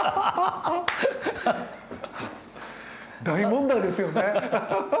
大問題ですよね。